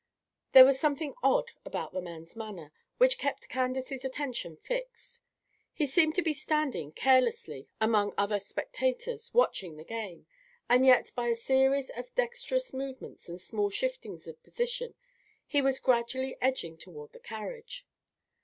There was something odd about the man's manner, which kept Candace's attention fixed. He seemed to be standing carelessly among other spectators watching the game, and yet by a series of dexterous movements and small shiftings of position he was gradually edging toward the carriage.